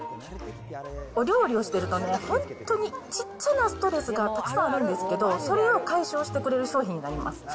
お料理をしていると、本当に、小さなストレスがたくさんあるんですけど、それを解消してくれる商品になります。